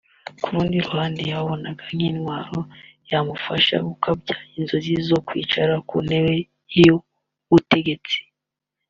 Ku rundi ruhande yababonaga nk’intwaro yamufasha gukabya inzozi ze zo kwicara ku ntebe y’ubutegetsi